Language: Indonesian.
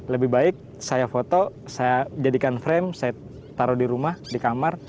lebih baik saya foto saya jadikan frame saya taruh di rumah di kamar